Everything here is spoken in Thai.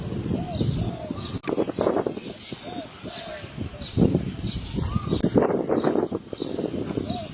ยกได้ด้วยครับที่มีการจัดเที่ยงโทษจีน